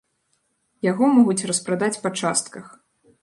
Яго могуць распрадаць па частках.